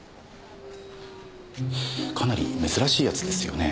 かなり珍しいやつですよね？